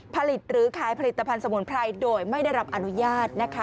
ผลิตหรือขายผลิตภัณฑ์สมุนไพรโดยไม่ได้รับอนุญาตนะคะ